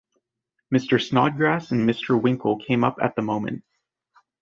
Mr. Snodgrass and Mr. Winkle came up at the moment.